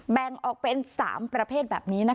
แบ่งออกเป็น๓ประเภทแบบนี้นะคะ